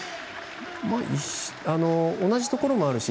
同じところもあるし